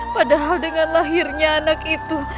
padahal dengan lahirnya anak itu